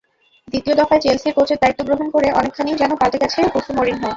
দ্বিতীয় দফায় চেলসির কোচের দায়িত্ব গ্রহণ করে অনেকখানিই যেন পাল্টে গেছেন হোসে মরিনহো।